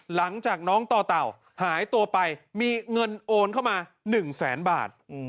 หลังจากน้องต่อเต่าหายตัวไปมีเงินโอนเข้ามา๑แสนบาท